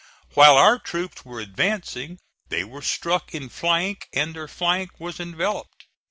While our troops were advancing they were struck in flank, and their flank was enveloped.